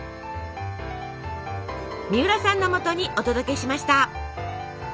みうらさんのもとにお届けしました。